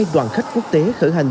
hai đoàn khách quốc tế khởi hành